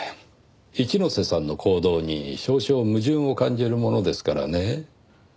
一之瀬さんの行動に少々矛盾を感じるものですからね。